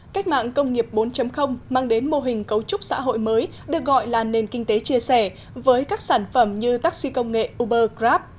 cách mạng công nghiệp bốn mang đến mô hình cấu trúc xã hội mới được gọi là nền kinh tế chia sẻ với các sản phẩm như taxi công nghệ uber grab